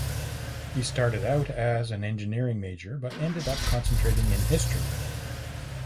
He started out as an engineering major but ended up concentrating in history.